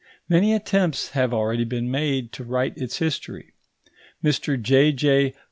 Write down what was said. Many attempts have already been made to write its history. Mr J.J.